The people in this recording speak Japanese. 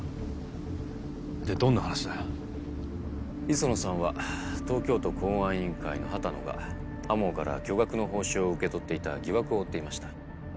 磯野さんは東京都公安委員会の波多野が天羽から巨額の報酬を受け取っていた疑惑を追っていました。